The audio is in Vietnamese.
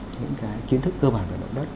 những cái kiến thức cơ bản về động đất